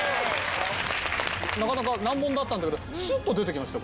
なかなか難問だったんだけどすっと出て来ました答えが。